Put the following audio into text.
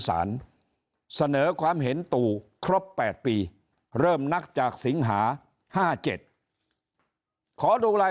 เสนอความเห็นตู่ครบ๘ปีเริ่มนับจากสิงหา๕๗ขอดูราย